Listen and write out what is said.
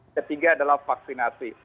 ketiga adalah vaksinasi